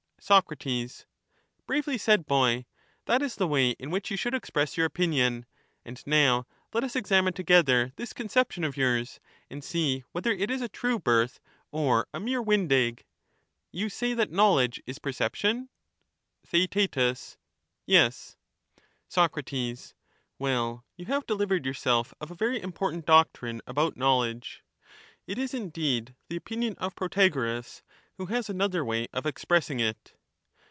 in answer Soc. Bravely said, boy; that is the way in which you tationhe" should express your opinion. And now, let us examine boldly re together this conception of yours, and see whether it is K^S^iedije a true birth or a mere wind e^ r—You say that knowledge is percep is perception ?"^"* Theaet, Yes. Soc, Well, you have delivered yourself of a very important This is only 1 52 doctrine about knowledge ; it is indeed the opinion of Prota ^^^^^ goras, who has another way of expressing it.